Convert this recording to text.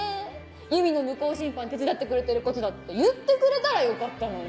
ゆみの無効審判手伝ってくれてることだって言ってくれたらよかったのに。